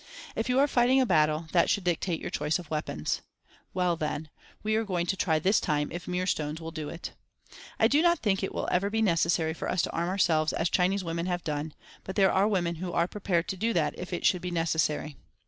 If you are fighting a battle, that should dictate your choice of weapons. Well, then, we are going to try this time if mere stones will do it. I do not think it will ever be necessary for us to arm ourselves as Chinese women have done, but there are women who are prepared to do that if it should be necessary.